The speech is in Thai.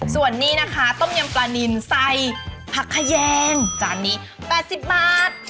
ส่วนนี้นะคะต้มยำปลานินใส่ผักขยงจานนี้๘๐บาท